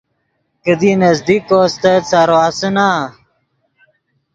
کیدی نزدیک کو استت سارو آسے نا۔